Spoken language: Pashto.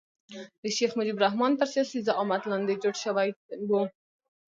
د شیخ مجیب الرحمن تر سیاسي زعامت لاندې جوړ شوی وو.